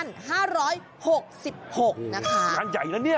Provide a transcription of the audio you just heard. งานใหญ่แล้วเนี่ย